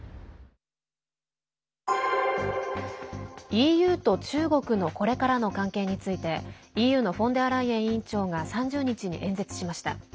ＥＵと中国のこれからの関係についてＥＵのフォンデアライエン委員長が３０日に演説しました。